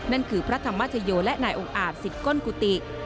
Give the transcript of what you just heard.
นั่นคือพระธรรมชโยและนายองค์อาจสิทธิ์ก้นกุฏิ